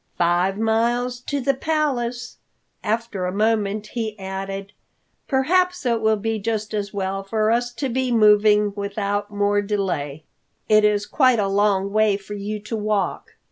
Five miles to the Palace." After a moment he added, "Perhaps it will be just as well for us to be moving without more delay. It is quite a long way for you to walk."